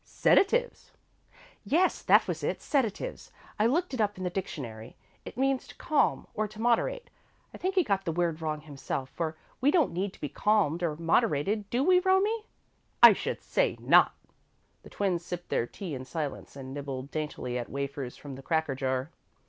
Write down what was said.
"Sedatives." "Yes, that was it sedatives. I looked it up in the dictionary. It means to calm, or to moderate. I think he got the word wrong himself, for we don't need to be calmed, or moderated, do we, Romie?" "I should say not!" The twins sipped their tea in silence and nibbled daintily at wafers from the cracker jar.